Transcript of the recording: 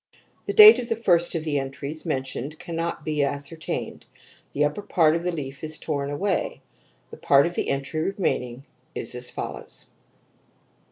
The date of the first of the entries mentioned can not be ascertained; the upper part of the leaf is torn away; the part of the entry remaining is as follows